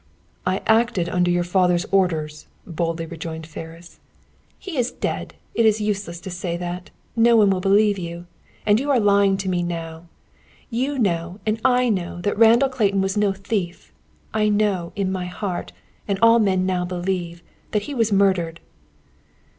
"I acted under your father's orders," boldly rejoined Ferris. "He is dead; it is useless to say that! No one will believe you. And you are lying to me now. You know and I know that Randall Clayton was no thief. I know, in my heart, and all men now believe, that he was murdered."